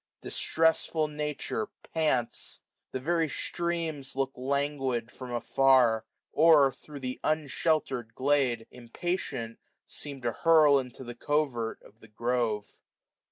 Distressful Nature pants. The very streams look languid from afsu* ; Or, thro' tfa' unshelter'd glade, impatient, seem To hurl into the covert of the grove.